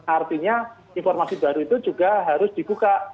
artinya informasi baru itu juga harus dibuka